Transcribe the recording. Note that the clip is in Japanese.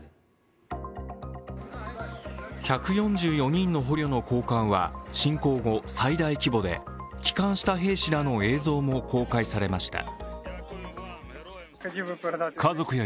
１４４人の捕虜の交換は侵攻後、最大規模で帰還した兵士らの映像も公開されました。